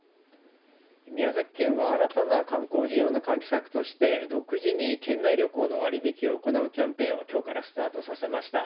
宮崎県は新たな観光需要の喚起策として独自に県内旅行の割引を行うキャンペーンをきょうからスタートさせました。